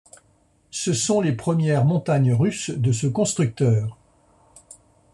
Ce sont les premières montagnes russes de ce constructeur.